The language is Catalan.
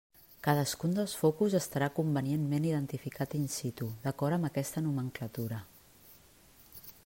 Cadascun dels focus estarà convenientment identificat in situ d'acord amb aquesta nomenclatura.